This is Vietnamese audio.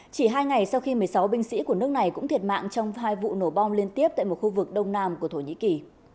chỉ hai ngày sau khi một mươi sáu binh sĩ của nước này cũng thiệt mạng trong hai vụ nổ bom liên tiếp tại một khu vực đông nam của thổ nhĩ kỳ